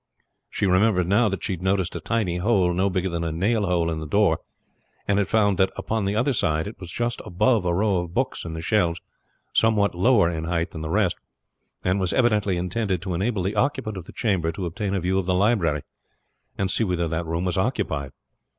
She remembered now that she had noticed a tiny hole no bigger than a nail hole in the door, and had found that upon the other side it was just above a row of books in the shelves somewhat lower in height than the rest, and was evidently intended to enable the occupant of the chamber to obtain a view of the library, and see whether that room was occupied.